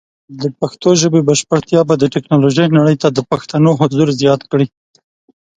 د پښتو ژبې بشپړتیا به د ټیکنالوجۍ نړۍ ته د پښتنو حضور زیات کړي.